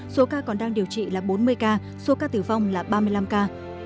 số ca còn đang điều trị là bốn mươi ca số ca tử vong là ba mươi năm ca